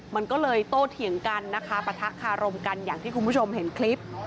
มันก็เลยโตเถียงกันนะคะปะทะคารมกันอย่างที่คุณผู้ชมเห็นคลิป